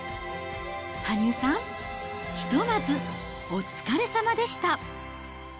羽生さん、ひとまずお疲れさまでした。